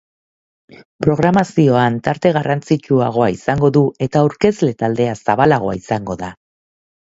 Programazioan tarte garrantzitsuagoa izango du eta aurkezle taldea zabalagoa izango da.